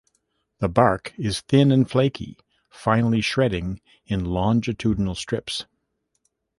The bark is thin and flaky, finely shredding in longitudinal strips.